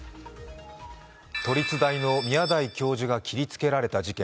都立大の宮台教授が切りつけられた事件。